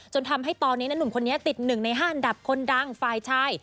ทำให้ตอนนี้นะหนุ่มคนนี้ติด๑ใน๕อันดับคนดังฝ่ายชาย